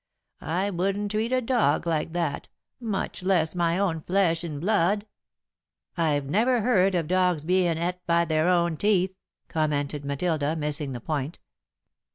I wouldn't treat a dog like that, much less my own flesh and blood." "I've never heard of dogs bein' et by their own teeth," commented Matilda, missing the point.